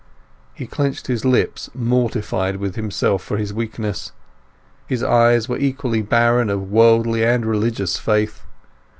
He clenched his lips, mortified with himself for his weakness. His eyes were equally barren of worldly and religious faith.